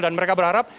dan mereka berharap